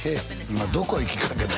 今どこ行きかけた？